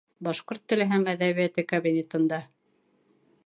Башҡорт теле һәм әҙәбиәте кабинетында